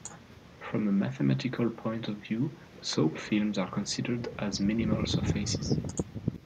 From a mathematical point of view, soap films are considered as minimal surfaces.